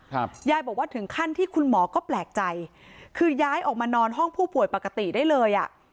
ยายบอกว่าถึงขั้นที่คุณหมอก็แปลกใจคือย้ายออกมานอนห้องผู้ป่วยปกติได้เลยอ่ะ